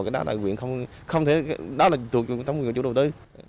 đó là nguyện không thể đó là thuộc trong chủ đầu tư